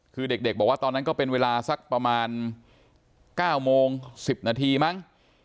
คือเด็กบอกว่าตอนนั้นก็เป็นเวลาสักประมาณ๙โมง๑๐นาทีมั้ง